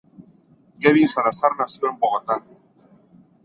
Kevin Salazar nació en Bogotá.